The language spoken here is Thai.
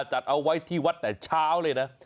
จัดเอาไว้ที่วัดแต่เช้าเลยนะ